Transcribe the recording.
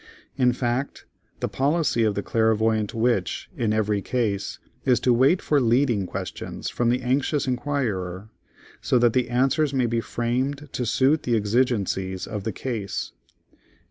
In fact, the policy of the clairvoyant witch in every case, is to wait for leading questions from the anxious inquirer, so that the answers may be framed to suit the exigencies of the case.